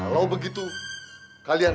kalau begitu kalian